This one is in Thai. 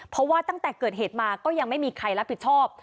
เพราะว่าตั้งแต่เกิดเหตุมาก็ยังไม่มีใครรับผิดชอบ